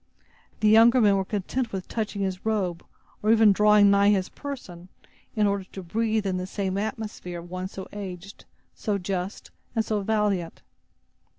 The younger men were content with touching his robe, or even drawing nigh his person, in order to breathe in the atmosphere of one so aged, so just, and so valiant.